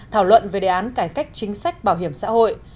thảo luận về đề án cải cách chính sách bảo hiểm xã hội